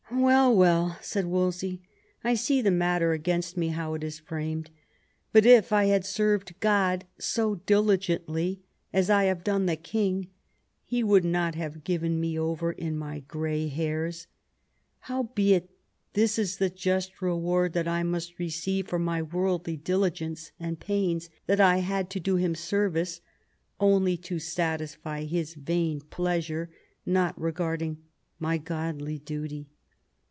"Well, well," said Wolsey, " I see the matter against me how it is framed, but if I had served God so diligently as I have done the king, he would not have given me over in my gray hairs. Howbeit, this is the just reward that I must receive for my worldly diligence and pains that I had to do him service, only to satisfy his vain pleasure, not regarding my godly duty.